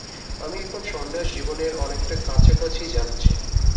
আমি এখন সন্ন্যাস-জীবনের অনেকটা কাছাকাছি যাচ্ছি।